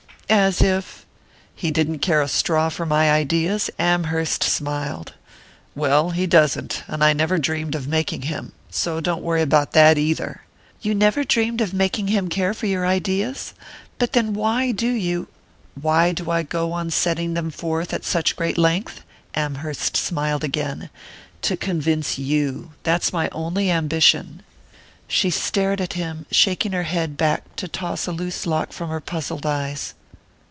as if...." "He didn't care a straw for my ideas?" Amherst smiled. "Well, he doesn't and I never dreamed of making him. So don't worry about that either." "You never dreamed of making him care for your ideas? But then why do you " "Why do I go on setting them forth at such great length?" Amherst smiled again. "To convince you that's my only ambition." She stared at him, shaking her head back to toss a loose lock from her puzzled eyes.